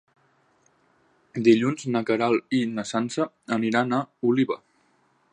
Dilluns na Queralt i na Sança aniran a Oliva.